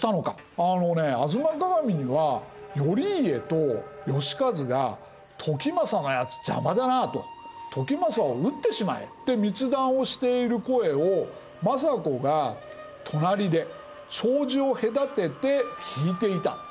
「吾妻鏡」には「頼家と能員が『時政のやつ邪魔だなあ』と『時政を討ってしまえ』って密談をしている声を政子が隣で障子を隔てて聞いていた。